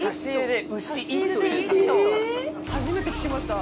初めて聞きました。